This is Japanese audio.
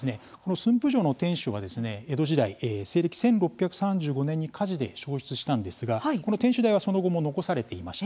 駿府城の天守は江戸時代西暦１６３５年に火事で焼失したんですがこの天守台はその後も残されていました。